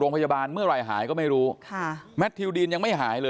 โรงพยาบาลเมื่อไหร่หายก็ไม่รู้ค่ะแมทธิวดีนยังไม่หาย